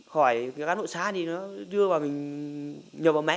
khỏi cái cán bộ xá thì nó đưa vào mình nhập vào máy